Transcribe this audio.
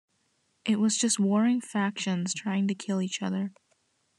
It was just warring factions trying to kill each other.